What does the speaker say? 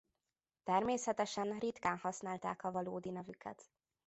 Természetesen ritkán használták a valódi nevüket.